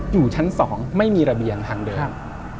อยู่ชั้น๒ไม่มีระเบียงทางเดิน